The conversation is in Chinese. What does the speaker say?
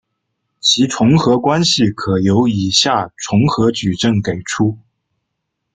其重合关系可由以下重合矩阵给出。